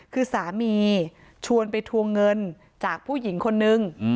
คือสามีชวนไปทวงเงินจากผู้หญิงคนนึง